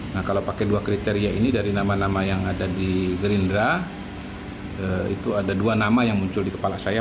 nah kalau pakai dua kriteria ini dari nama nama yang ada di gerindra itu ada dua nama yang muncul di kepala saya